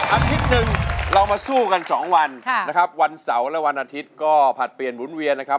อาทิตย์หนึ่งเรามาสู้กันสองวันนะครับวันเสาร์และวันอาทิตย์ก็ผลัดเปลี่ยนหมุนเวียนนะครับ